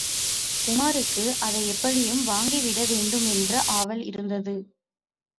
உமாருக்கு அதை எப்படியும் வாங்கிவிட வேண்டுமென்ற ஆவல் இருந்தது.